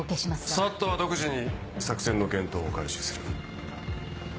ＳＡＴは独自に作戦の検討を開始する。